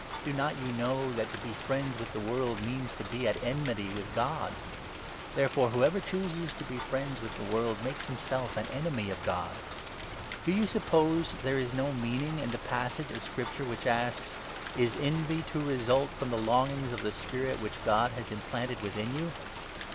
Do not 4 you know that to be friends with the world means to be at enmity with God ? Therefore whoever chooses to be friends with the world makes himself an enemy to God. Do you sup 5 pose there is no meaning in the passage of Scripture which asks —' Is envy to result from the longings of the Spirit which God has implanted within you